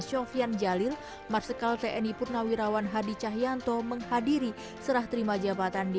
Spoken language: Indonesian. sofian jalil marsikal tni purnawirawan hadi cahyanto menghadiri serah terima jabatan di